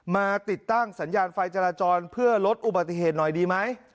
มาติดตั้งสัญญาณไฟจราจรเพื่อลดอุบัติเหตุหน่อยดีไหม